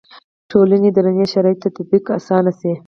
ټولنو دروني شرایطو تطبیق اسانه شي.